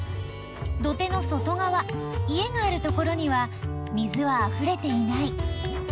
土手の外がわ家があるところには水はあふれていない。